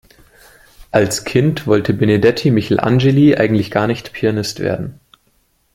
Als Kind wollte Benedetti Michelangeli eigentlich gar nicht Pianist werden.